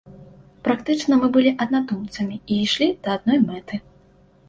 Практычна мы былі аднадумцамі і ішлі да адной мэты.